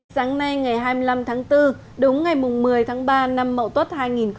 sáng nay ngày hai mươi năm tháng bốn đúng ngày một mươi tháng ba năm mậu tốt hai nghìn một mươi tám